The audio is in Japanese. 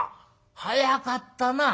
早かったな。